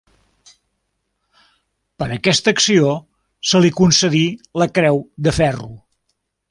Per aquesta acció, se li concedí la Creu de Ferro.